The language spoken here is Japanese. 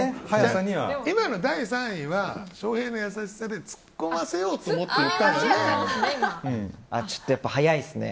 今の第３位は翔平の優しさでツッコませようと思って言ったんだよね。